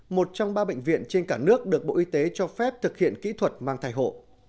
một trong ba bệnh viện trên cả nước được bộ y tế cho phép thực hiện kỹ thuật mang thai hộ